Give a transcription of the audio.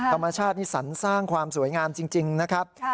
ธรรมชาตินี่สรรสร้างความสวยงามจริงนะครับ